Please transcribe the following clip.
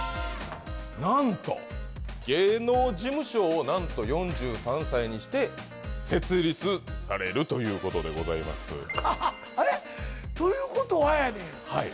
なんと芸能事務所を４３歳にして設立されるということでございますあれ？ということはやね